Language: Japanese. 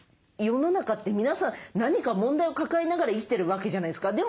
世の中って皆さん何か問題を抱えながら生きてるわけじゃないですか。